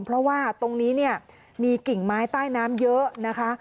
เพราะว่าตรงนี้เนี่ยมีกิ่งไม้ใต้น้ำเยอะนะคะ